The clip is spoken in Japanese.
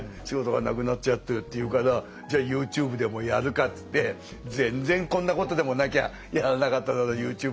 仕事がなくなっちゃってるっていうからじゃあＹｏｕＴｕｂｅでもやるかっつって全然こんなことでもなきゃやらなかっただろう